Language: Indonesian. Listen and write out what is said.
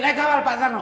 naik ke toilet pak tarno